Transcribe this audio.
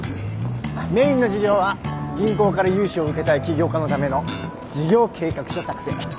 メインの事業は銀行から融資を受けたい起業家のための事業計画書作成。